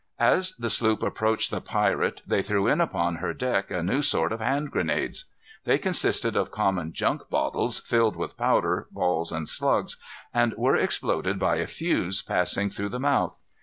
As the sloop approached the pirate they threw in upon her deck a new sort of hand grenades. They consisted of common junk bottles, filled with powder, balls, and slugs, and were exploded by a fuse passing through the mouth.